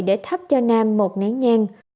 để thắp cho nam một nén nhang